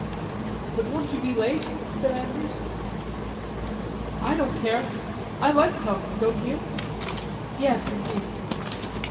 "But won't you be late?" said Andrews. "I don't care. I like talking, don't you?" "Yes, indeed."